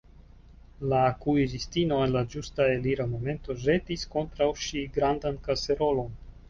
La kuiristino en la ĝusta elira momento ĵetis kontraŭ ŝi grandan kaserolon.